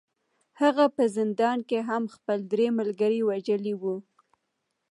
هغه په زندان کې هم خپل درې ملګري وژلي وو